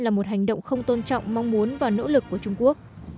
là một hành động không tôn trọng mong muốn và nỗ lực của trung quốc